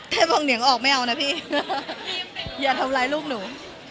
บางเหนียงออกไม่เอานะพี่อย่าทำร้ายลูกหนู